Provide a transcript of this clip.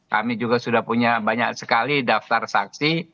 kami juga sudah punya banyak sekali daftar saksi